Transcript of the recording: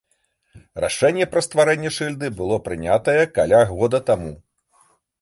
Рашэнне пра стварэнне шыльды было прынятае каля года таму.